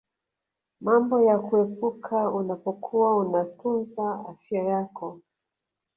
mambo ya kuepuka unapokuwa unatunza afya yako